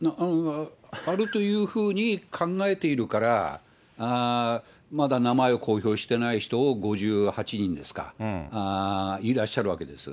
あるというふうに考えているから、まだ名前を公表してない人を５８人ですか、いらっしゃるわけです。